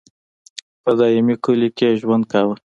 په دایمي کلیو کې یې ژوند کاوه.